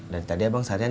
dari tadi abang seharian